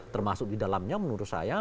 termasuk di dalamnya menurut saya